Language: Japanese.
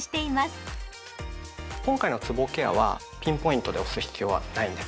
今回のつぼケアはピンポイントで押す必要はないんです。